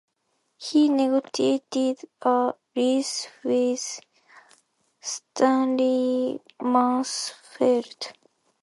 He negotiated a lease with Stanley Mansfield.